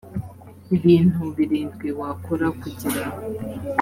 ibintu birindwi wakora kugira